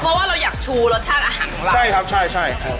เพราะว่าเราอยากชูรสชาติอาหารกลางใช่ครับใช่